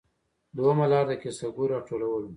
دویمه لار د کسبګرو راټولول وو